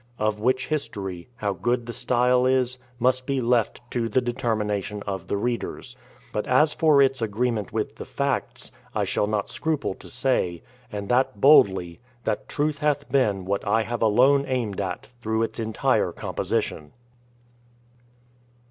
Of which history, how good the style is, must be left to the determination of the readers; but as for its agreement with the facts, I shall not scruple to say, and that boldly, that truth hath been what I have alone aimed at through its entire composition.